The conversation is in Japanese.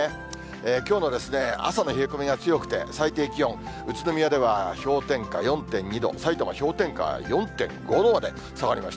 きょうの朝の冷え込みが強くて、最低気温、宇都宮では氷点下４．２度、さいたま氷点下４．５度まで下がりました。